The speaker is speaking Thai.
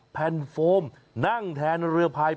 แผ่นโฟมนั่งแทนเรือพาย